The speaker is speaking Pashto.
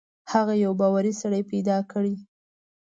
هغه یو باوري سړی پیدا کړي.